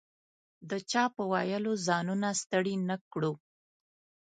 د چا په ویلو ځانونه ستړي نه کړو.